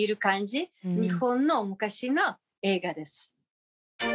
日本の昔の映画です。